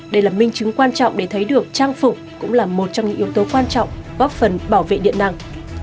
đây là minh chứng quan trọng để thấy được trang phục cũng là một trong những yếu tố quan trọng góp phần bảo vệ điện năng